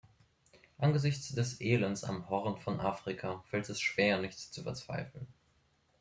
Angesichts des Elends am Horn von Afrika fällt es schwer, nicht zu verzweifeln.